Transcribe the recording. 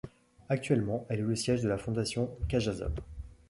Actuellement elle est le siège de la Fondation Cajasol.